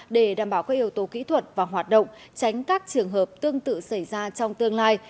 để đảm bảo các yếu tố kỹ thuật và hoạt động tránh các trường hợp tương tự xảy ra trong tương lai